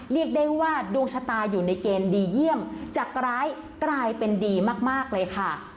เรียกได้ว่าดวงชะตาอยู่ในเกณฑ์ดีเยี่ยมจากร้ายกลายเป็นดีมากเลยค่ะ